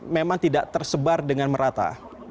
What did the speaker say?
memang tidak tersebar dengan merata